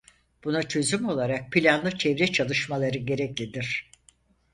Buna çözüm olarak planlı çevre çalışmaları gereklidir.